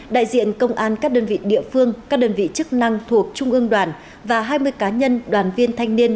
đại diện công an các đơn vị địa phương các đơn vị chức năng thuộc trung ương đoàn và hai mươi cá nhân đoàn viên thanh niên